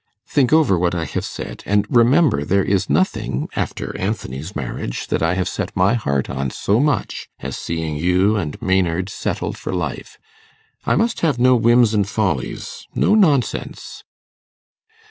Think over what I have said, and remember there is nothing, after Anthony's marriage, that I have set my heart on so much as seeing you and Maynard settled for life. I must have no whims and follies no nonsense.